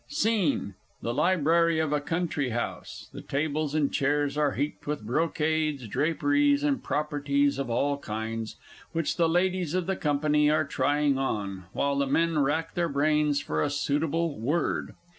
SCENE _The Library of a Country House; the tables and chairs are heaped with brocades, draperies, and properties of all kinds, which the Ladies of the company are trying on, while the men rack their brains for a suitable Word.